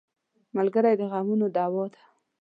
ملګری د غمونو دوا ده.